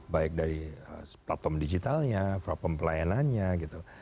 baik dari platform digitalnya platform pelayanannya gitu